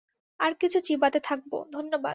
আর কিছু চিবাতে থাকব, ধন্যবাদ।